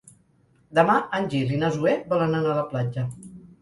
Demà en Gil i na Zoè volen anar a la platja.